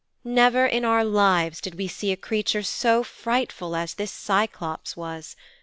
Never in our lives did we see a creature so frightful as this Cyclops was.